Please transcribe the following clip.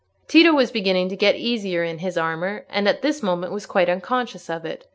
Tito was beginning to get easier in his armour, and at this moment was quite unconscious of it.